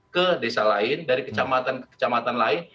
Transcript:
ke desa lain dari kecamatan ke kecamatan lain